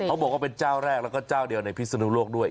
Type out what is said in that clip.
บอกว่าเป็นเจ้าแรกแล้วก็เจ้าเดียวในพิศนุโลกด้วย